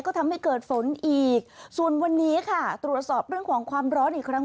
ก็ทำให้เกิดฝนอีกส่วนวันนี้ค่ะตรวจสอบเรื่องของความร้อนอีกครั้ง